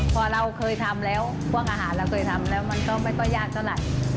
พอเราเคยทำแล้วพวกอาหารเราเคยทำแล้วมันก็ไม่ค่อยยากเท่าไหร่